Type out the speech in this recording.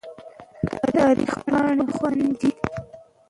تاریخ پاڼې خوندي دي.